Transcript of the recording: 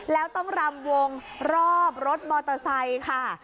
แล้วต้องรำวงรอบรถมอเตอร์ไซค์ค่ะ